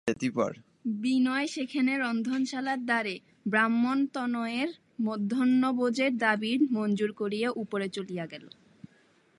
বিনয় সেখানে রন্ধনশালার দ্বারে ব্রাহ্মণতনয়ের মধ্যাহ্নভোজনের দাবি মঞ্জুর করাইয়া উপরে চলিয়া গেল।